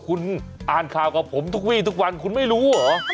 คุณอ่านข่าวกับผมทุกวีทุกวันคุณไม่รู้เหรอ